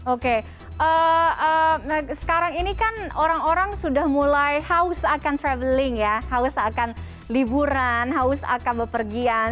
oke sekarang ini kan orang orang sudah mulai haus akan traveling ya haus akan liburan haus akan bepergian